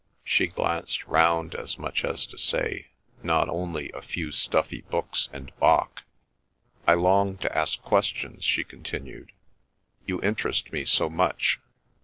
She glanced round as much as to say, "not only a few stuffy books and Bach." "I long to ask questions," she continued. "You interest me so much.